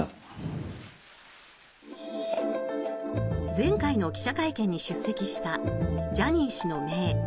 前回の記者会見に出席したジャニー氏のめい